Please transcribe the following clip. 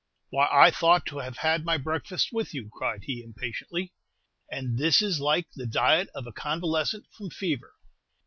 "Why, I thought to have had my breakfast with you," cried he, impatiently, "and this is like the diet of a convalescent from fever.